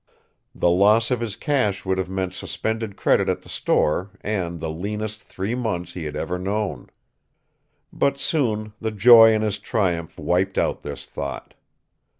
The loss of his cash would have meant suspended credit at the store and the leanest three months he had ever known. But soon the joy in his triumph wiped out this thought.